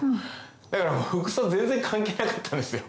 だから服装全然関係なかったんですよ。